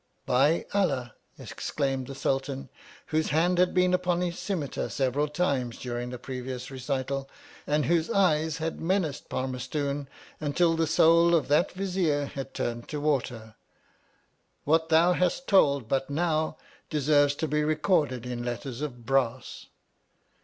By Allah ! exclaimed the Sultan, whose hand had been upon his scimitar several times during the pre vious recital, and whose eyes had menaced Parmarstoon until the soul of that Vizier had turned to water, what thou hast told but now, deserves to be recorded in letters of Brass